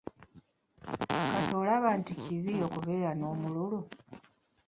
Kati olaba nti kibi okubeera n'omululu?